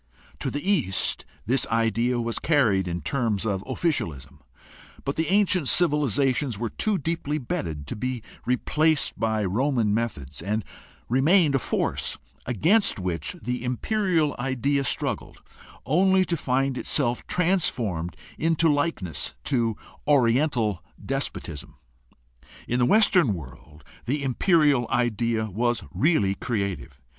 To the East this idea was carried in terms of officialism, but the ancient civilizations were too deeply bedded to be replaced by Roman methods, and remained a force against which the imperial idea struggled only to find itself transformed into likeness to Oriental despotism. In the Western world the imperial idea was really creative.